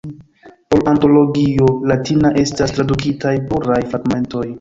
Por Antologio Latina estas tradukitaj pluraj fragmentoj.